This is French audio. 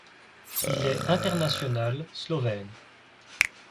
Il est international slovène.